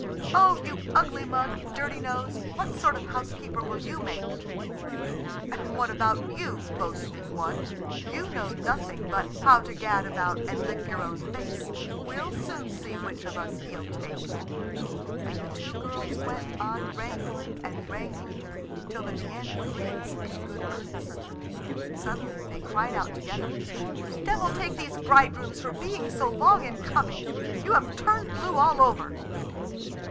"Oh, you ugly mug, dirty nose! What sort of a housekeeper will you make?" "And what about you, boasting one? You know nothing but how to gad about and lick your own face. We'll soon see which of us he'll take." And the two girls went on wrangling and wrangling till they began to freeze in good earnest. Suddenly they cried out together, "Devil take these bridegrooms for being so long in coming! You have turned blue all over."